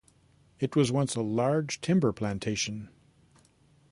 It was once a large timber plantation.